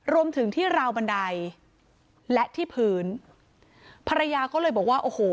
รวมถึงที่ราวบันไดและที่พื้นภรรยาก็เลยบอกว่าโอ้โห